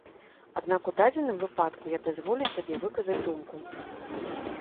Аднак у дадзеным выпадку я дазволю сабе выказаць думку.